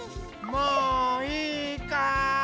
もういいかい？